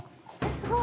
すごい！